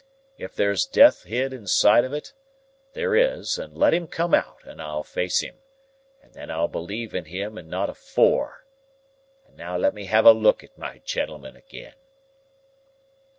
If there's Death hid inside of it, there is, and let him come out, and I'll face him, and then I'll believe in him and not afore. And now let me have a look at my gentleman agen."